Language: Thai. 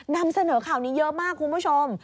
นำเสนอข่าวนี้เยอะมากคุณผู้ชม